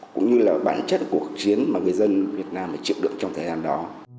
cũng như là bản chất của cuộc chiến mà người dân việt nam đã chịu được trong thời gian đó